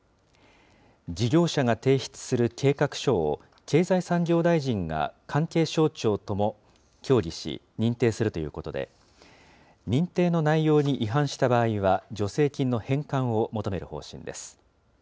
事業者が提出する計画書を、経済産業大臣が関係省庁とも協議し、認定するということで、認定の内容に違反した場合は、助成金の返還を求める方針です。